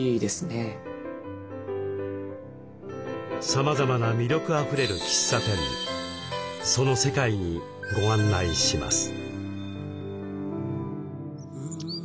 さまざまな魅力あふれる喫茶店その世界にご案内します。